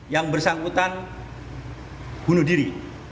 yang bersangkutan bunuh diri